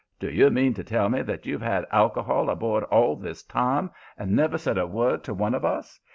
'Do you mean to tell me that you've 'ad alcohol aboard all this time and never said a word to one of us?